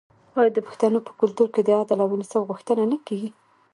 آیا د پښتنو په کلتور کې د عدل او انصاف غوښتنه نه کیږي؟